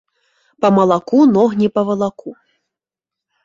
Па малаку ног не павалаку